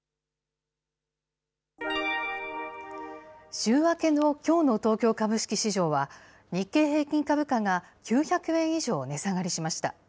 週明けのきょうの東京株式市場は、日経平均株価が９００円以上値下がりしました。